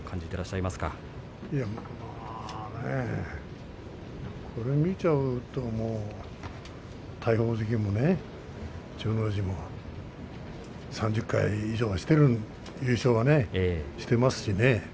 いやあねこれを見ちゃうともう大鵬関も千代の富士関も３０回以上優勝はしているんですけどしていますしね。